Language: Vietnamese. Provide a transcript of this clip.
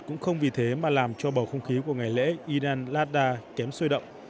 cũng không vì thế mà làm cho bầu không khí của ngày lễ yedan lada kém sôi động